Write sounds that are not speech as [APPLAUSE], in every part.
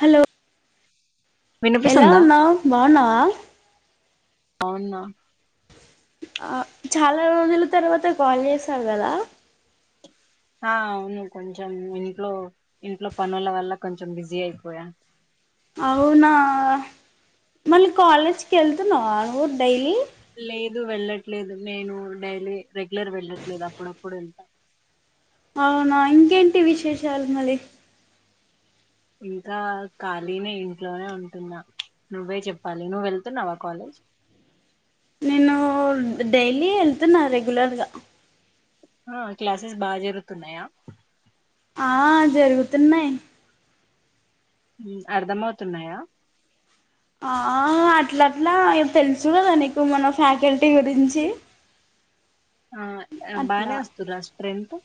Hello ఎలా వినిపిస్తుందా ఉన్నావ్ బాగున్నావా బాగున్నా ఆ చాలా రోజుల తర్వాత కాల్ చేసావు కదా ఆ అవును కొంచెం ఇంట్లో ఇంట్లో పనుల వల్ల కొంచెం బిజీ అయిపోయా అవునా మళ్ళీ కాలేజ్కి వెళ్తున్నావ నువ్వు డైలీ లేదు వెళ్ళట్లేదు నేను డైలీ రెగ్యులర్ వెళ్ళట్లేదు అప్పుడప్పుడు వెళ్తా అవునా ఇంకేంటి విశేషాలు మళ్ళీ ఇంకా ఖాళీనే ఇంట్లోనే ఉంటున్నా నువ్వే చెప్పాలి నువ్వు వెళ్తున్నావా కాలేజ్ నేను డైలీ వెళ్తున్నా రెగ్యులర్గా ఆ క్లాసెస్ బాగా జరుగుతున్నాయా ఆ జరుగుతున్నాయ్ అర్ధంమవుతున్నాయా ఆ అట్లట్లా ఇగ తెలుసు కదా నీకు మన ఫ్యాకల్టీ గురించి ఆ అట్లా బానే వస్తుర్ర స్ట్రెంత్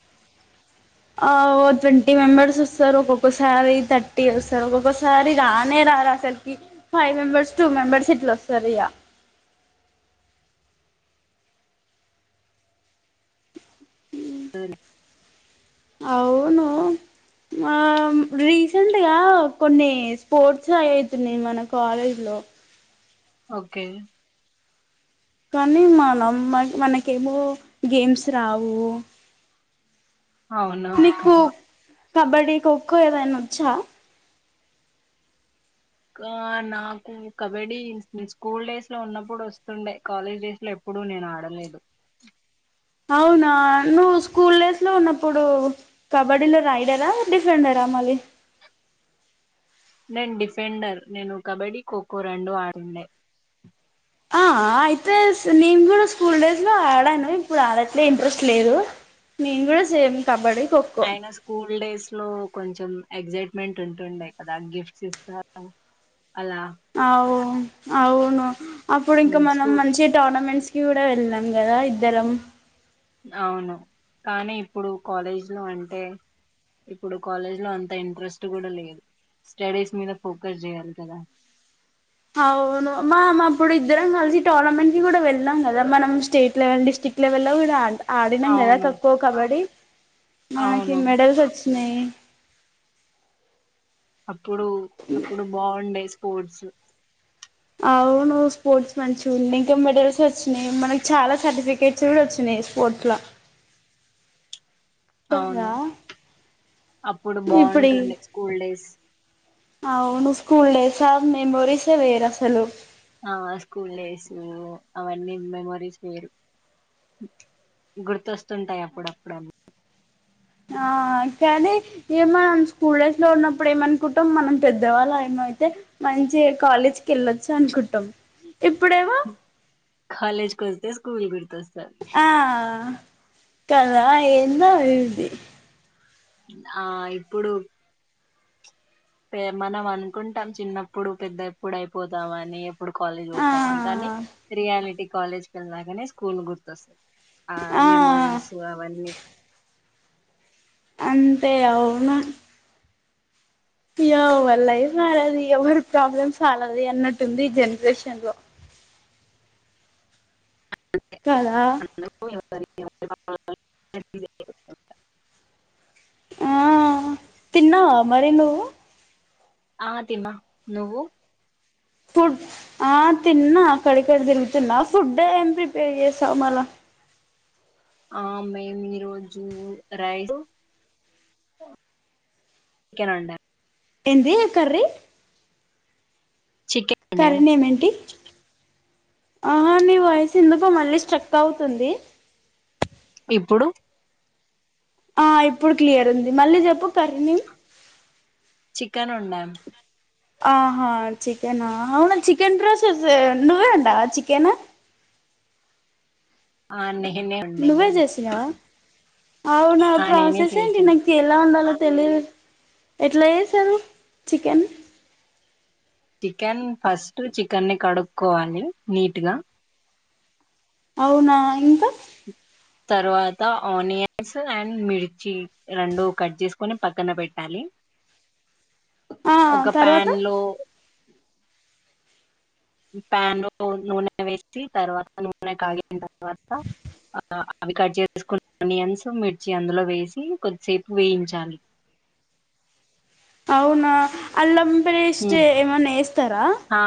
ఆ ఓ ట్వంటీ మెంబెర్స్ వస్తారు ఒక్కొక్కసారి థర్టీ వస్తారు ఒక్కొక్కసారి రానే రారా అసలుకి ఫైవ్ మెంబెర్స్ టూ మెంబెర్స్ ఇట్లా వస్తారు ఇగ అ సరే అవును ఆ రీసెంట్గా కొన్ని స్పోర్ట్స్ అయితున్నాయి మన కాలేజ్ లో ఓకే కానీ మనం మనకేమో గేమ్స్ రావు అవును నీకు కబడ్డీ ఖోఖో ఏదైనా వచ్చా ఆ నాకు కబడ్డీ స్కూల్ డేస్ లో ఉన్నప్పుడు వస్తుండే కాలేజ్ డేస్ లో ఎప్పుడు నేను ఆడలేదు అవునా నువ్వు స్కూల్ డేస్ లో ఉన్నప్పుడు కబడ్డీలో రాైడరా డిఫరెండరా మళ్ళీ నేను డిఫెండర్ నేను కబడ్డీ ఖోఖో రెండు ఆదిండే ఆ అయితే నేను కూడా స్కూల్ డేస్ లో ఆడాను ఇప్పుడు ఆడట్లే ఇంట్రెస్ట్ లేదు నేను కూడా సేమ్ కబడ్డీ ఖోఖో అయినా స్కూల్ డేస్ లో కొంచెం ఎగ్సైట్మెంట్ ఉంటుండే కదా గిఫ్ట్స్ ఇస్తారు అలా అవు అవును అప్పుడు ఇంకా ఉమ్, మనం స్కూ మంచి టోర్నమెంట్స్ కూడా వెళ్ళాం కదా ఇద్దరం అవును కానీ ఇప్పుడు కాలేజ్లో అంటే ఇప్పుడు కాలేజ్ లో అంత ఇంట్రెస్ట్ కూడా లేదు స్టడీస్ మీద ఫోకస్ చేయాలి కదా అవును మ అప్పుడు ఇద్దరం కలిసి టోర్నమెంట్ కి కూడా వెళ్ళాం కదా మనం స్టేట్ లెవెల్ డిస్ట్రిక్ట్ లెవెల్ లో కూడా ఆంటాం అడినం కదా అవును ఖో ఖో కబడ్డీ మనకి అవును మెడల్స్ వాచ్ నే అప్పుడు అప్పుడు బావుండే స్పోర్ట్స్ అవును స్పోర్ట్స్ మంచి ఉంది ఇంకా మెడల్స్ వచ్చినాయి మనకి చాలా సర్టిఫికేట్స్ కూడా వచ్చినాయి స్పోర్ట్స్ లో కదా అవును అప్పుడు ఇప్పుడి బాగుంటుండే స్కూల్ డేస్ అవును స్కూల్ డేస్ స మెమోరిస్ వేరసలు ఆ స్కూల్ డేస్ అవన్నీ మెమరీస్ వేరు గుర్తొస్తుంటాయి అప్పుడప్పుడు ఆ కానీ ఏమనం స్కూల్ డైఫ్ లో ఉన్నప్పుడు ఏమనుకుంటాం మనం పెద్దవాళ్ళ ఏమయితే మంచి కాలేజ్కి వెళ్ళొచ్చు అనుకుంటాం ఇప్పుడేమో కాలేజ్ కి వెళ్తే స్కూల్ గుర్తొస్తాది వస్తాది కాదా ఎందో ఇది ఆ ఇప్పుడు మనం అనుకుంటాం చిన్నప్పుడు పెద్ద ఎప్పుడు అయిపోతామని ఇప్పుడు కాలేజ్ ఆ పోతామని కానీ రియాలిటీ కాలేజ్ కి వెళ్ళాకనే స్కూల్ గుర్తొస్తంది ఆ మెమొరీస్ అవన్నీ అంతే అవును ఎవరి లైఫ్ అల్లది ఎవరి ప్రాబ్లమ్స్ వాళ్ళది అన్నట్టు ఉంది ఈ జనరేషన్ లో కాదా [UNINTELLIGIBLE] ఆ తిన్నావా మరి నువ్వు ఆ తిన్న నువ్వు ఫుడ్ ఆ తిన్నా అక్కడ ఇక్కడ తిరుగుతున్నా ఫుడ్ ఏం ప్రిపేర్ చేసావు మళ్ళ ఆ మేమి ఈ రోజు రైస్ చికెన్ వండా ఎంది కర్రీ చికెన్ కర్రీ వండాం నేమ్ ఏంటి ఆహా నీ వాయిస్ ఎందుకో మళ్ళీ స్ట్రక్ అవుతుంది ఇప్పుడు ఆ ఇప్పుడు క్లియర్ ఉంది మళ్ళీ చెప్పు కర్రీ నేమ్ చికెన్ వండాం ఆహా చికెనా అవునా చికెన్ రోస్ట్ నువ్వే వండవా చికెన్ ఆ నే నువ్వే చేసినవా అవునా ఆ నేనే ప్రాసెస్ ఏంటి చేసాను నాకు ఎలా వండాలో తెలీదు ఎట్లా చేసారు చికెన్ చికెన్ ఫస్ట్ చికెన్ని కడుక్కోవాలి నీట్గా అవునా ఇంకా తరువాత ఆనియన్స్ అండ్ మిర్చి రెండు కట్ చేసుకొని పక్కన పెట్టాలి. ఆ ఒక తర్వాత ప్యాన్ లో ప్యాన్లో నూనె వేసి తర్వాత నూనె కాగిన తర్వాత అవి కట్ చేసేసుకున్న ఆనియన్స్ మిర్చి అందులో వేసి కొద్దిసేపు వేయించాలి. అవునా అల్లం పేస్ట్ ఉమ్, ఏమన్నా వేస్తారా ఆ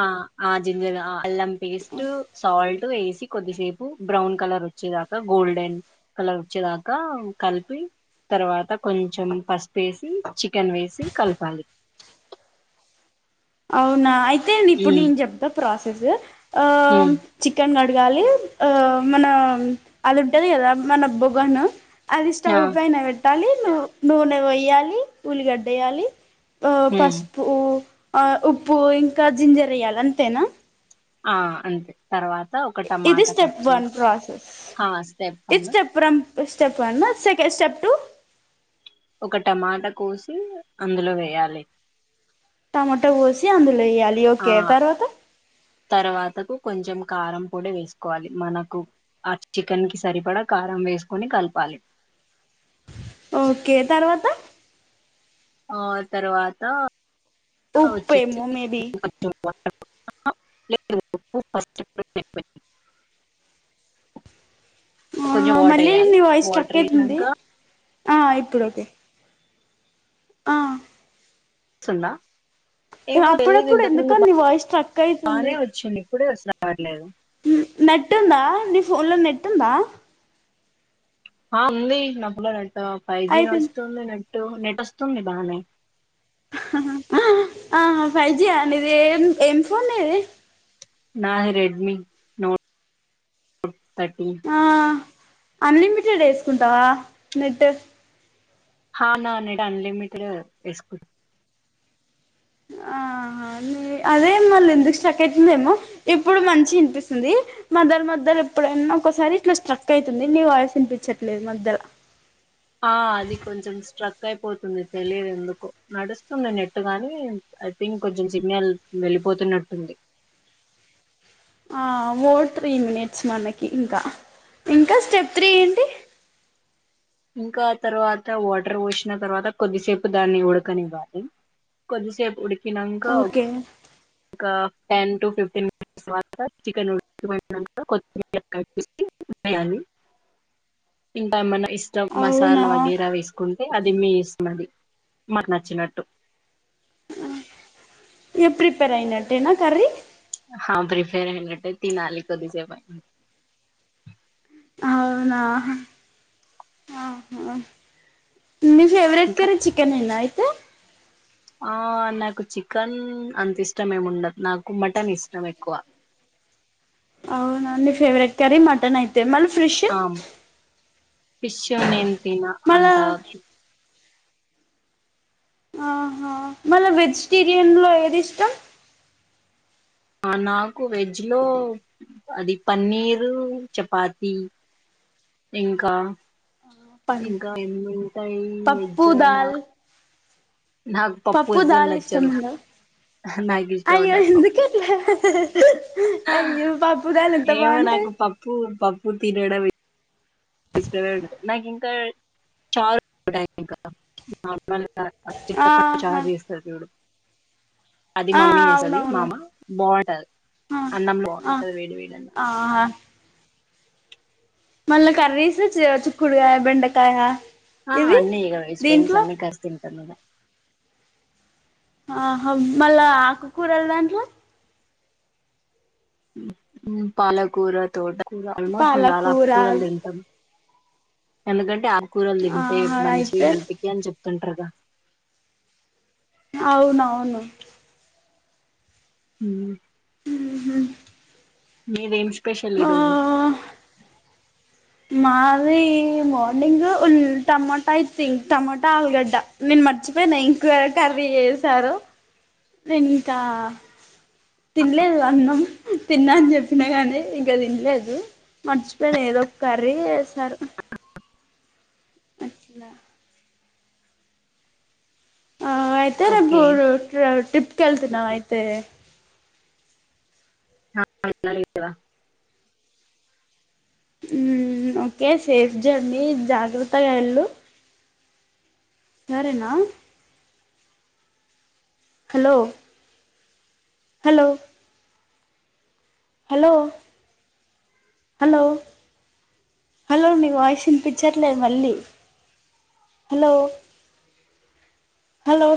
ఆ జింజర్ ఆ అల్లం పేస్టు సాల్ట్ వేసి కొద్దిసేపు బ్రౌన్ కలర్ వచ్చేదాకా గోల్డెన్ కలర్ వచ్చేదాకా కలిపి తర్వాత కొంచెం పసుపేసి చికెన్ వేసి కలపాలి. అవునా ఆయి ఐపోయింది ఇప్పుడు ఉమ్ నేను చెప్తా ప్రాసె [UNINTELLIGIBLE] ఆ ఉమ్ చికెన్ న డగాలి ఆ మన అది ఉంటది కదా మన బొగోను అది ఆ స్టవ్ పైన పెట్టాలి. ను నూనె పోయ్యాలి ఉల్లిగడ్డ ఏయాలి ప ఉమ్ పసుపు ఆ ఉప్పు ఇంకా జింజర్ ఎయ్యాలి అంతేనా ఆ అంతే తర్వాత ఒక ఇది టమాటా కట్ స్టెప్ వన్ చేసి ప్రాసెస్ ఆ స్టెప్ పైన స్టెప్ రమ్ ఇది step one second step two ఒక టమాటా కోసి అందులో వేయాలి టమాటా కోసి అందు వేయాలి ఆ ఓకే తర్వాత తర్వాతకు కొంచం కారం పొడి వేసుకోవాలి మనకు ఆ చికెన్ కి సరిపడా కారం వేసుకొని కలపాలి. ఓకే తర్వాత ఆ తర్వాత వచ్చేసి ఉప్పేమో మేబి [UNINTELLIGIBLE] [UNINTELLIGIBLE] ఆ కొంచెం హ వాటర్ మళ్ళీ వేయాలి మీ వాయిస్ స్ట్రక్ వాటర్ అయితుంది. వేసినాక ఆ ఇప్ ప్పుడ్ ఓకే ఆ స్తుందా అప్పుడప్పుడు ఎందుకండి వాయిస్ స్ట్రక్ అయితుంది. రావట్లేదా నెట్ ఉందా నీ ఫోన్లో నెట్ ఉందా! ఆ ఉంది. నా [INAUDIBLE] ఫైజీ అయిపోయింది నడుస్తుంది. నె ట్ నెట్ ఒస్తుంది బానే ఆ హ ఫైవ్ జి ఆ నీది ఎం ఎం ఫోన్ నీది. నా రెడ్మి నో ఆ అన్ని మి జె డేసుకుంటావా నెట్ హ నా నెట్ అన్లిమిటెడ్ ఎస్కు ఆ హ అదే మళ్ళీ ఎందుకు స్ట్రక్ అయితుందేమో ఇప్పుడు మంచి వినిపిస్తుంది మధ్యల మధ్యల ఎప్పుడైనా ఒసారి ఇట్లా స్ట్రక్ అయితుంది నీ వాయిసు వినిపించట్లేదు మధ్యల ఆ అది కొంచెం స్ట్రక్ అయిపోతుంది తెలిదు ఎందుకొ నడుస్తుంది నెట్ గాని ఐ థింక్ కొంచం సిగ్నల్ వెళ్ళిపోతున్నట్టుంది. ఆ ఓ త్రీ మినిట్స్ మనకి ఇంకా ఇంకా స్టెప్ త్రీ ఏంటి? ఇంకా తర్వాత వాటర్ పోసిన తర్వాత కొద్దిసేపు దాన్ని ఉడకనివ్వాలి కొద్దిసేపు ఉడ్ కినంకా ఓకే ఇంకా టెన్ టు ఫిఫ్టీన్ మినిట్స్ తర్వాత చికెన్ ఉడకడం అయిపోయినంక కొద్దిగా కలిపేసి వెయ్యాలి ఇంకా ఏమన్నా ఇష్టం అవునా మసాలా వగేరా వేసుకునీ అది మీ ఇస్మది మాకు నచ్చినట్టు అ ఇగ ప్రిపేరనట్టేనా కర్రీ ఆహా ప్రిఫేర్ అయినట్టే తినాలి కొద్దిసేపు అయి అవునా హ ఆహ మీ ఫేవరెట్ ఇంకా కర్రి చికెన్ ఏనా కు ఆ నాకు చికెన్ అంత ఇష్టం ఏమి ఉండదు నాకు మటన్ ఇష్టం ఎక్కువ అవు నండి ఫేవరెట్ కరీ మటన్ అయి ఆమ్ ఫిష్ నేన్ తిన మళ్ళా అంతా ఆహా మళ్ళా వెజిటేరియన్ లో ఏది ఇష్టం నాకు వెజ్ లో అది పన్నీరు చపాతి ఇంకా పన్ ఇంకా ఎన్ని ఉంటాయి పప్పు వెజ్ నా దాల్ పప్పు దాల్ నచ్చదు ఇష్టముండద అయ్యో ఎందుకు అట్ల హా ఏమో నాకు బాగుంటది పప్పు పప్ పుడ్ తినడమే ఇష్టమైన నాకు ఇంకా చాల్ ఉండయ్. ఇంకా [INAUDIBLE] మళ్ళీ [INAUDIBLE] చింతపండు ఆహా చార్ చేస్తారు. చూడు అది ఆ మమ్మీ చేస్తది. అవునవును మామ్మ బావుంటది. ఆ అన్నంల్ ఆ బావుంటది వేడి వేడి అన్నం. మళ్ళ కర్రీసు చి చుక్ క్డురగాయ, బెండకాయ ఆ ఇవి అన్నీ ఇగ వెజిటేబుల్స్ దీంట్లో అన్ని కాడ్స్థిం దాన్నీలా ఆహా మల్ల ఆకు కూరల్ దాంట్లో మ్మ్ మ్మ్ పాలకూర, తోట క్ కూర ఆల్మోస్ట్ మేము ఆల్ ఆకు పాలకూర కూరలు తింటం. ఎందుకంటే ఆక్ కూరలు తింటే ఆహా మంచి అయితే హెల్త్ కి అని చెప్ తింట్రగా అవునవును హ్మ్ హ్మ్ హు మీదేం స్ స్పెషల్ ఈరోజు మాది మార్నింగు ఉల్ టమోటా అయిథింక్ టమోటా, ఆల్గడ్డ నేను మర్చిపోయినా. ఇంక్వే కర్రీ ఏశారో నేను ఇంకా. తినలేదు అన్నం. తిన్నాని చెప్పినా కానీ ఇంకా తినలేదు మర్చిపోయిన ఏదో కర్రీ వేశారు. నాచ్చిందా ఆ అయితే ఓకే రేబోరు ట్రి టిప్ కేళ్తున్నావాయితే [INAUDIBLE] హ్మ్ ఓకే సేఫ్ జర్నీ జాగ్రత్తగా ఏళ్ళు సరేనా hello hello hello hello hello నీ వాయిస్ ఇన్పించట్లేద్ మళ్ళీ. Hello hello